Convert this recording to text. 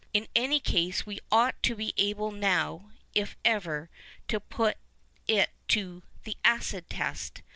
In any case, we ought to be able now, if ever, to put it to the " acid test."